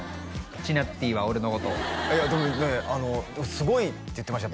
チナッティーは俺のことでもすごいって言ってましたよ